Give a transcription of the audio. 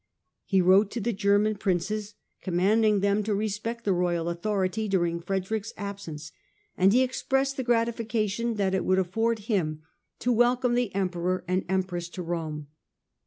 He wrote to the German Princes commanding them to respect the royal authority during Frederick's absence, and he expressed the gratifi cation that it would afford him to welcome the Emperor and Empress to Rome.